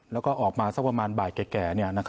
แล้วก็ออกมาสักประมาณบ่ายแก่